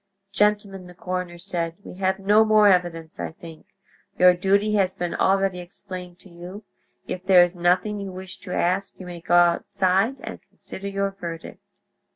"Gentlemen," the coroner said, "we have no more evidence, I think. Your duty has been already explained to you; if there is nothing you wish to ask you may go outside and consider your verdict."